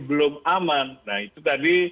belum aman nah itu tadi